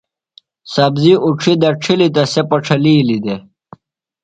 سبزیۡ اُڇھیۡ دڇھلیۡ تہ سےۡ پڇھلِیلیۡ دےۡ۔